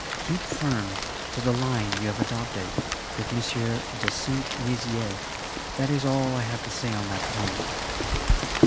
Keep firm to the line you have adopted with M. de Saint Nizier, that is all I have to say on that point.